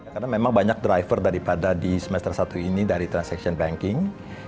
karena memang banyak driver daripada di semester satu ini dari transaction banking